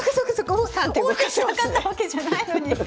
王手したかったわけじゃないのに。